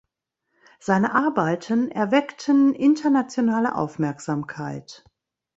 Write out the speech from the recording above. Seine Arbeiten erweckten internationale Aufmerksamkeit.